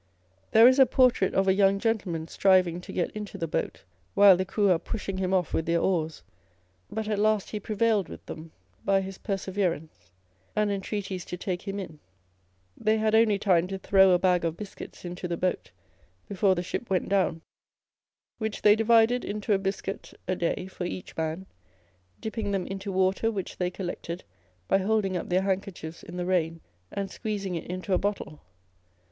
There is a por trait of a young gentleman striving to get into the boat, while the crew are pushing him off with their oars ; but at last he prevailed with them by his perseverance and entreaties to take him in. They had only time to throw a bag of biscuits into the boat before the ship went down ; which they divided into a biscuit a day for each man, dipping them into water which they collected by holding up their handkerchiefs in the rain and squeezing it into a bottle.